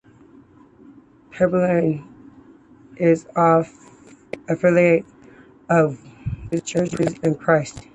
Pepperdine is an affiliate of the Churches of Christ.